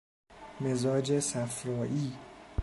مزاج صفرائی